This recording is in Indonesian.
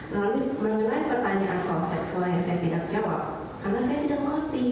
lalu mengenai pertanyaan soal seksual yang saya tidak jawab karena saya tidak mengerti